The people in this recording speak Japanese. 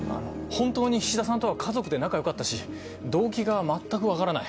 本当に菱田さんとは家族で仲良かったし動機が全く分からない。